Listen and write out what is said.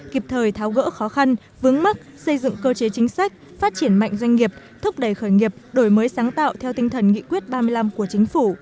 kịp thời tháo gỡ khó khăn vướng mắt xây dựng cơ chế chính sách phát triển mạnh doanh nghiệp thúc đẩy khởi nghiệp đổi mới sáng tạo theo tinh thần nghị quyết ba mươi năm của chính phủ